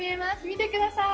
見てください！